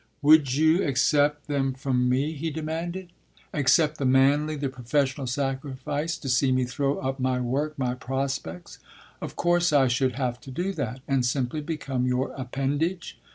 "Would you accept them from me?" he demanded; "accept the manly, the professional sacrifice, see me throw up my work, my prospects of course I should have to do that and simply become your appendage?"